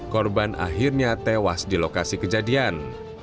korban akhirnya tewas di lokasi kejadian